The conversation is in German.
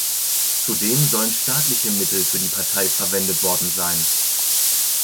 Zudem sollen staatliche Mittel für die Partei verwendet worden sein.